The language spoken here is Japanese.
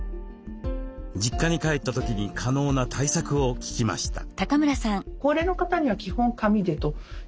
実家に帰った時に可能な対策を聞きました。